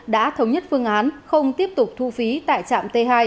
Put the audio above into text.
đã thống nhất phương án không tiếp tục thu phí tại trạm t hai